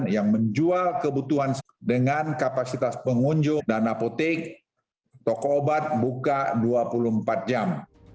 yang menjual kebutuhan dengan kapasitas pengunjung dan apotek toko obat buka dua puluh empat jam